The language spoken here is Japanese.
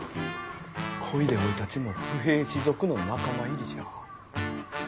こいでおいたちも不平士族の仲間入りじゃ。